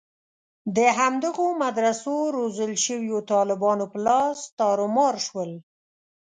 د همدغو مدرسو روزل شویو طالبانو په لاس تارومار شول.